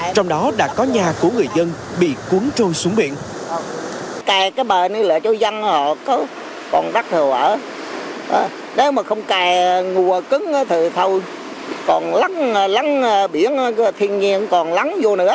trong đó đã có nhà của người dân bị cuốn trôi xuống biển